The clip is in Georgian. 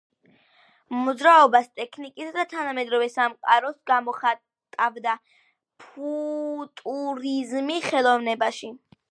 Მოძრაობას, ტექნიკასა და თანამედროვე სამყაროს გამოხატავდა ფუტურიზმი ხელოვნებაში.